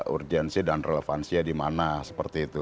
urgensi dan relevansinya di mana seperti itu